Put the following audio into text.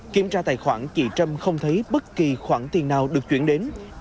kiểm tra tài khoản chị trâm không thấy bất kỳ khoản tiền nào được chuyển đến